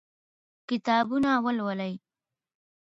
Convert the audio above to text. کتابونه ولولئ.